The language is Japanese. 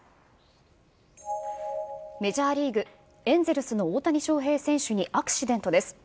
メジャーリーグ・エンゼルスの大谷翔平選手にアクシデントです。